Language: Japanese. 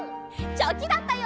チョキだったよ。